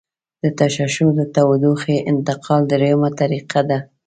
تشعشع د تودوخې انتقال دریمه طریقه ده.